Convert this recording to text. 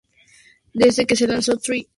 Desde que se lanzó "Try!